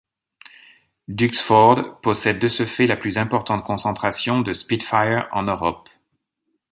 Duxford possède de ce fait la plus importante concentration de Spitfire en Europe.